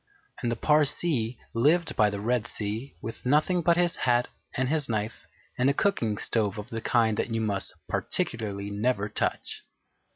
And the Parsee lived by the Red Sea with nothing but his hat and his knife and a cooking stove of the kind that you must particularly never touch.